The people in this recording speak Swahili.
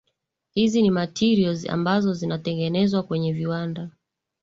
hizi ni materials ambazo zinatengenezwa kwenye viwanda